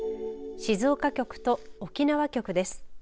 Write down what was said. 静岡局と沖縄局です。